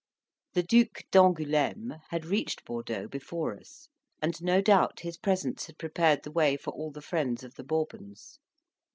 The Duc d'Angouleme had reached Bordeaux before us, and no doubt his presence had prepared the way for all the friends of the Bourbons.